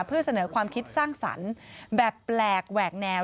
เพื่อเสนอความคิดสร้างสรรค์แบบแปลกแหวกแนว